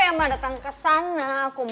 yaudah yuk kita masuk